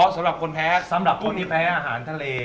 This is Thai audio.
สำหรับคนแพ้สำหรับคนที่แพ้อาหารทะเล